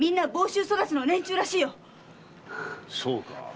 そうか。